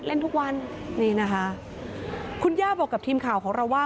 เล่นทุกวันนี่นะคะคุณย่าบอกกับทีมข่าวของเราว่า